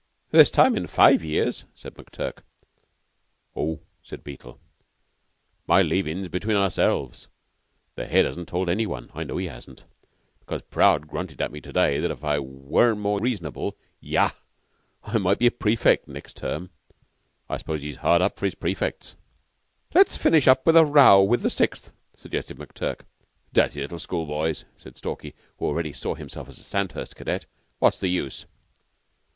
"This time five years," said McTurk. "Oh," said Beetle, "my leavin's between ourselves. The Head hasn't told any one. I know he hasn't, because Prout grunted at me to day that if I were more reasonable yah! I might be a prefect next term. I s'ppose he's hard up for his prefects." "Let's finish up with a row with the Sixth," suggested McTurk. "Dirty little schoolboys!" said Stalky, who already saw himself a Sandhurst cadet. "What's the use?"